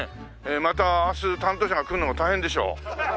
また明日担当者が来るのも大変でしょう。